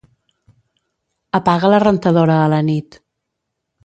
Apaga la rentadora a la nit.